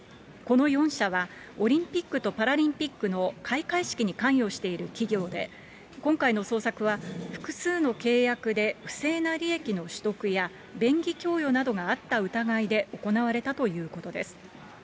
この４社は、オリンピックとパラリンピックの開会式に関与している企業で、今回の捜索は、複数の契約で不正な利益の取得や便宜供与などがあった疑いで行われたということです。